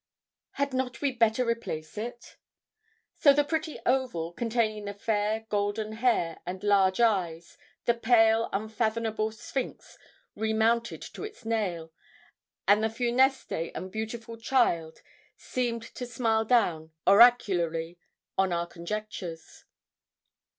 'Had not we better replace it?' So the pretty oval, containing the fair golden hair and large eyes, the pale, unfathomable sphinx, remounted to its nail, and the funeste and beautiful child seemed to smile down oracularly on our conjectures.